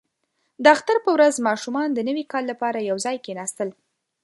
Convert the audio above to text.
• د اختر په ورځ ماشومان د نوي کال لپاره یو ځای کښېناستل.